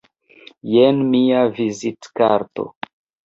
Jen mia vizitkarto.